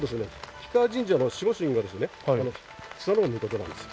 氷川神社の守護神がですね素戔嗚尊なんですよ。